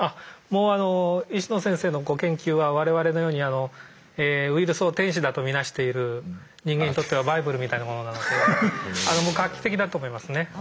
もう石野先生のご研究は我々のようにウイルスを天使だと見なしている人間にとってはバイブルみたいなものなのでもう画期的だと思いますね。